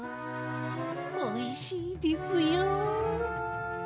おいしいですよ。